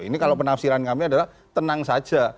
ini kalau penafsiran kami adalah tenang saja